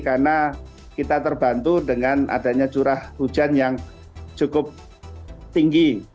karena kita terbantu dengan adanya curah hujan yang cukup tinggi